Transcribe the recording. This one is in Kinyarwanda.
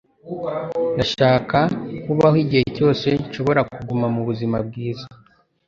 Ndashaka kubaho igihe cyose nshobora kuguma mu buzima bwiza